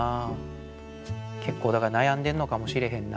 けっこうだからなやんでんのかもしれへんな。